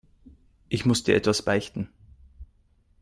Ich muss dir etwas beichten.